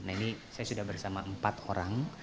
nah ini saya sudah bersama empat orang